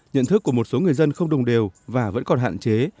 nhận thức của một số người dân không đồng đều và vẫn còn hạn chế